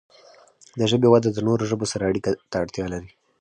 د ژبې وده د نورو ژبو سره اړیکو ته اړتیا لري.